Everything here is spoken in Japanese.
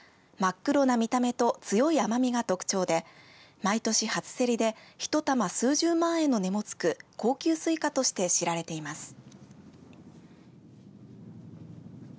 真っ黒な見た目と強い甘みが特徴で毎年、初競りでひと玉数十万円の値もつく高級スイカとして知られています。